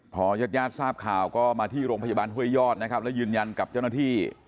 พอยาดทราบข่าวก็มาที่โรงพยาบาลเฮ้ยยอดและยืนยันกับเจ้าหน้าที่